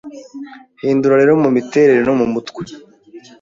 Hindura rero mumiterere no mumutwe